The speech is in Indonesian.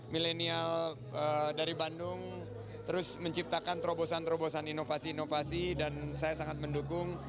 milenial dari bandung terus menciptakan terobosan terobosan inovasi inovasi dan saya sangat mendukung